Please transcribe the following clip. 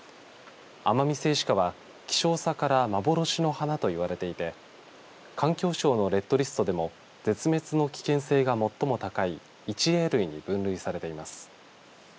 アマミセイシカは希少さから幻の花といわれていて環境省のレッドリストでも絶滅の危険性が最も高い１Ａ類に分類されています。